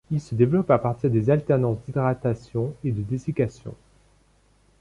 Ils se développent à partir des alternances d'hydratation et de dessication.